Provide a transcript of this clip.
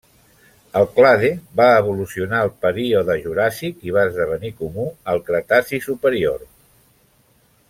El clade va evolucionar al període Juràssic, i va esdevenir comú al Cretaci superior.